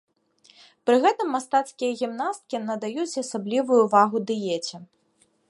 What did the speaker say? Пры гэтым мастацкія гімнасткі надаюць асаблівую ўвагу дыеце.